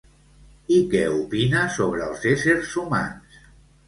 I què opina sobre els éssers humans?